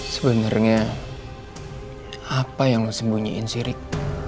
sebenarnya apa yang mau sembunyiin sirik